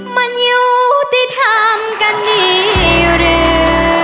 มันอยู่ที่ทำกันดีหรือ